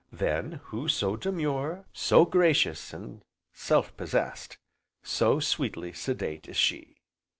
Then who so demure, so gracious and self possessed, so sweetly sedate as she.